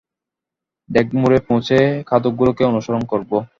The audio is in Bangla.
ড্রেগমোরে পৌঁছে, খাদগুলোকে অনুসরণ করব।